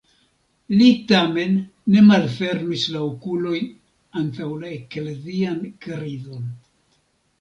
Li tamen ne malfermis la okulojn antaŭ la eklezian krizon.